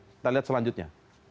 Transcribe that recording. kita lihat selanjutnya